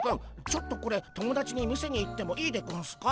ちょっとこれ友達に見せに行ってもいいでゴンスか？